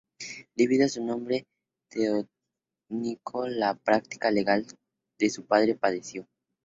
Debido a su nombre teutónico, la práctica legal de su padre padeció.